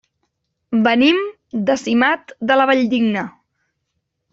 Venim de Simat de la Valldigna.